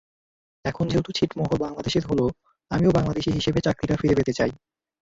এখন যেহেতু ছিটমহল বাংলাদেশের হলো, আমিও বাংলাদেশি হিসেবে চাকরিটা ফিরে পেতে চাই।